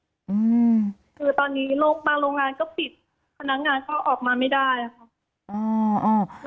อืมคือตอนนี้โรคบางโรงงานก็ปิดพนักงานก็ออกมาไม่ได้ค่ะอ่า